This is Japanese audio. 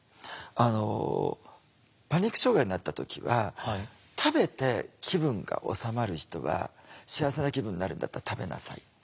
あのパニック障害になった時は食べて気分が治まる人は幸せな気分になるんだったら食べなさいって。